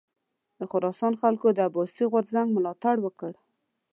د خراسان خلکو د عباسي غورځنګ ملاتړ وکړ.